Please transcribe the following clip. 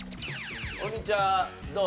王林ちゃんどう？